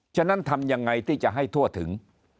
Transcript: ฉะนั้นทำยังไงที่จะให้ทั่วถึง